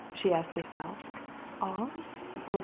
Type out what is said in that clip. she asked herself. "All or one?"